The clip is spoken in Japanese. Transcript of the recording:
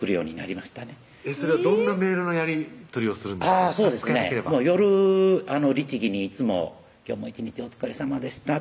差し支えなければ夜律儀にいつも「今日も一日お疲れさまでした」